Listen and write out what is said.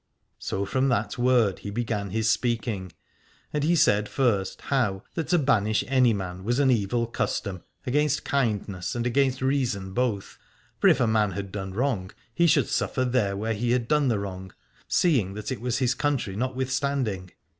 So from that word he began his speaking, and he said first, how that to banish any man was an evil custom, against kindness and against reason both : for if a man had done wrong he should suffer there where he had done the wrong, seeing that it was his country notwithstanding.